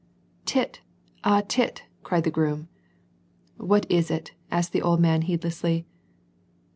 «T!t ! ah ! Tit !" cried the groom, '* What is it," asked the old man heedlessly.